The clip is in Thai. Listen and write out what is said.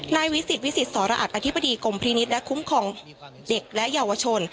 นายวิสิทธิ์วิสิทธิ์สรออัดอธิบดีกรมพลีนิตและคุ้มของเด็กและเยาวชน